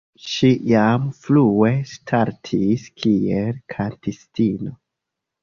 Ŝi jam frue startis kiel kantistino.